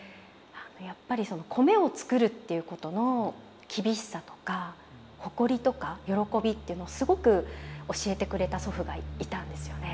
やっぱりその米を作るっていうことの厳しさとか誇りとか喜びっていうのをすごく教えてくれた祖父がいたんですよね。